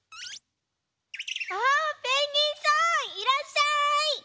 あペンギンさんいらっしゃい！